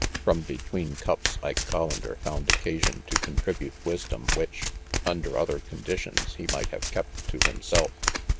From between cups Ike Collander found occasion to contribute wisdom which, under other conditions, he might have kept to himself.